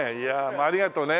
ありがとうね。